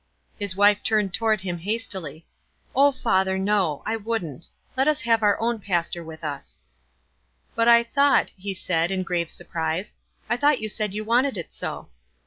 His wife turned toward him hastily. " O father, no ; I wouldn't. Let us have our own pastor with us." "But I thought," he said, in grave surprise, "I thought you said you wanted it so."